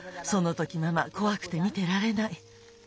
そのときママこわくて見てられない。